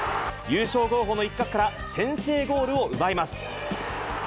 優勝候補の一角から、先制ゴールを奪います。